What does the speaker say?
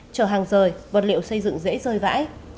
chở hàng rời vật liệu xây dựng dễ rơi vãi